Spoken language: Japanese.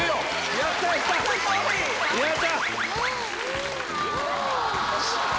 やった！